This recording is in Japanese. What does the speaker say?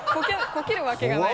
こけるわけがない。